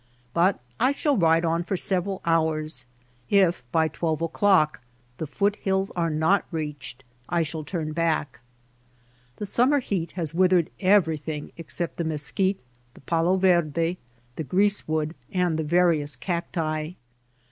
But I shall ride on for several hours. If, by twelve THE APPEOACH 3 o^clock, the foot hills are not reached, I shall turn back. The summer heat has withered everything except the mesquite, the palo verde,* the grease wood, and the various cacti.